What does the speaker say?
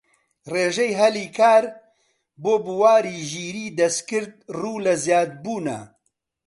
ڕێژەی هەلی کار بۆ بواری ژیریی دەستکرد ڕوو لە زیادبوونە